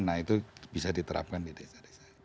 nah itu bisa diterapkan di desa desa